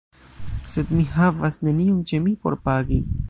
Sed mi havas nenion ĉe mi por pagi.